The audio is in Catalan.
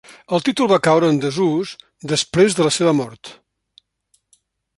El títol va caure en desús després de la seva mort.